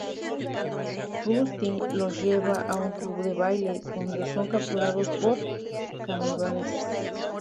Rusty los lleva a un club de baile, donde son capturados por caníbales.